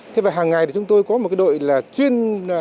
thế và hàng ngày thì chúng tôi có một cái đội là chuyên